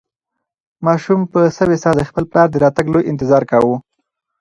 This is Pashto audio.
ماشوم په سوې ساه د خپل پلار د راتګ لوی انتظار کاوه.